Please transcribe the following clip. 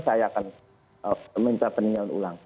saya akan meminta peninjauan ulang